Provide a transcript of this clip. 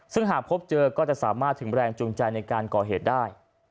ซึ่งหากพบเจอก็จะสามารถถึงแรงจูงใจในการก่อเหตุได้